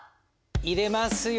入れますよ。